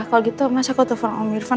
kalau gitu masa aku telfon om irfan